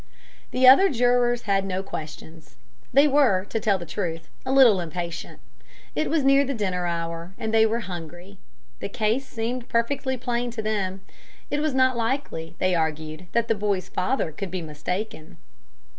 The other jurors had no questions. They were, to tell the truth, a little impatient. It was near the dinner hour, and they were hungry. The case seemed perfectly plain to them. It was not likely, they argued, that the boy's father could be mistaken.